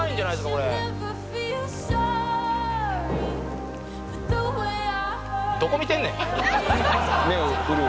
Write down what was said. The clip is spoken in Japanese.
これどこ見てんねん！